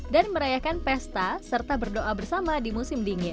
merayakan pesta serta berdoa bersama di musim dingin